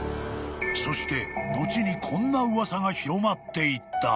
［そして後にこんな噂が広まっていった］